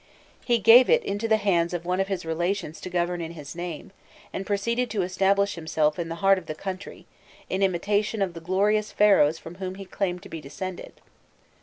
He gave it into the hands of one of his relations to govern in his name, and proceeded to establish himself in the heart of the country, in imitation of the glorious Pharaohs from whom he claimed to be descended.